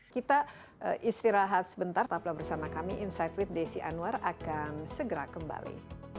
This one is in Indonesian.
kita istirahat sebentar tetaplah bersama kami insight with desi anwar akan segera kembali